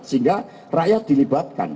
sehingga rakyat dilibatkan